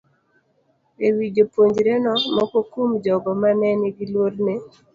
E wi japuonjreno, moko kuom jogo ma ne nigi luoro ni